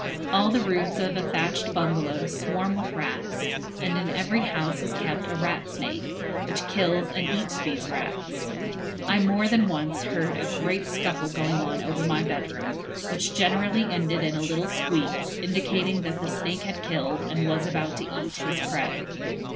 All the roofs of the thatched bungalows swarm with rats, and in every house is kept a rat snake, which kills and eats these rats. I more than once heard a great scuffle going on over my bedroom, which generally ended in a little squeak, indicating that the snake had killed, and was about to eat, his prey.